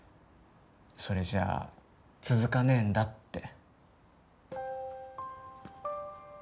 それじゃあ続かねえんだって。